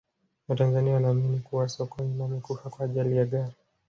watanzania wanaamini kuwa sokoine amekufa kwa ajali ya gari